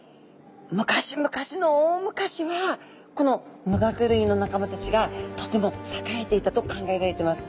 昔々の大昔はこの無顎類の仲間たちがとても栄えていたと考えられてます。